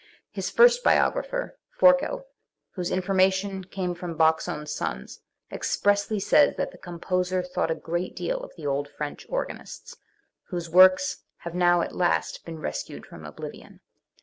His first biographer, Forkel, whose information came from Bach's own sons, expressly says that the composer thought a great deal of the old French organists, whose works have now at last been rescued from oblivion.